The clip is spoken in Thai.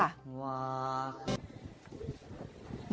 อุ๊ยสักอย่าง